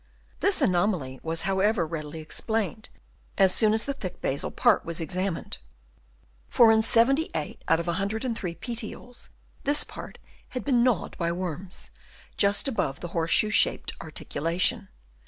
This anomaly was how ever readily explained as soon as the thick basal part was examined ; for in 78 out of 103 petioles, this part had been gnawed by worms, just above the horse shoe shaped articulation.